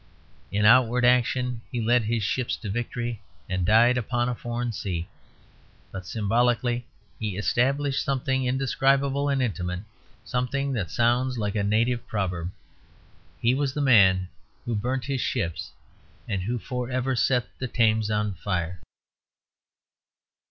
In outward action he led his ships to victory and died upon a foreign sea; but symbolically he established something indescribable and intimate, something that sounds like a native proverb; he was the man who burnt his ships, and who for ever set the Thames on fire.